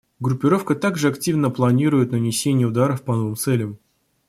Группировка также активно планируют нанесение ударов по новым целям.